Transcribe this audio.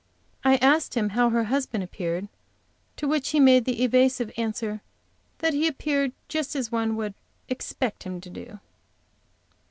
I asked him how her husband appeared, to which he made the evasive answer that he appeared just as one would expect him to do.